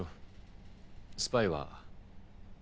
スパイは。